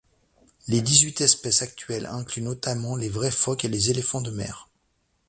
Les dix-huit espèces actuelles incluent notamment les vrais phoques et les éléphants de mer.